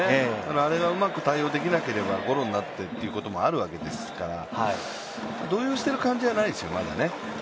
あれがうまく対応できなければゴロになってということもあるわけですから動揺してる感じは、まだないですよ